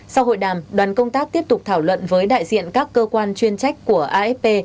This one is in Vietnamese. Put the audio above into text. sau hội đàm đoàn công tác tiếp tục thảo luận với đại diện các cơ quan chuyên trách của afp